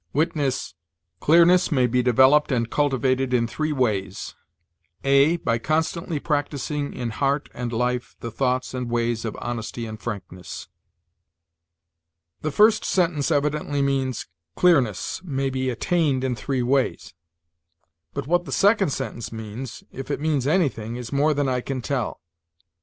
Witness: "Clearness may be developed and cultivated in three ways, (a) By constantly practicing in heart and life the thoughts and ways of honesty and frankness." The first sentence evidently means, "Clearness may be attained in three ways"; but what the second sentence means if it means anything is more than I can tell.